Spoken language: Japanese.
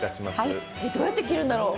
どうやって切るんだろう？